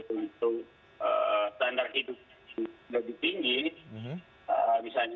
standar hidup lebih tinggi